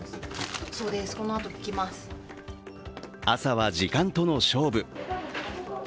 朝は時間との勝負。